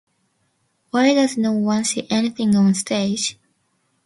Why does no one see anything on stage?